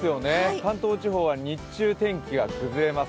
関東地方は日中天気が崩れます。